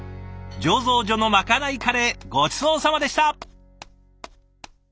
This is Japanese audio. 醸造所のまかないカレーごちそうさまでした。